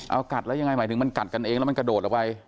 เอากัดแล้วยังไงหมายถึงมันกัดกันเองแล้วมันกระโดดออกไป